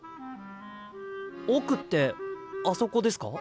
奥ってあそこですか？